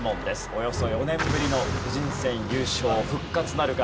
およそ４年ぶりの個人戦優勝復活なるか？